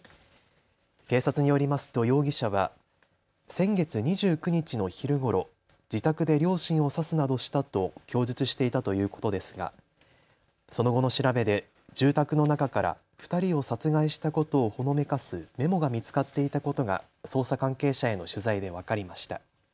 警察によりますと容疑者は先月２９日の昼ごろ、自宅で両親を刺すなどしたと供述していたということですがその後の調べで住宅の中から２人を殺害したことをほのめかすメモが見つかっていたことが捜査関係者への取材で分かりました。